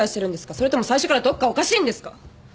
それとも最初からどっかおかしいんですか！？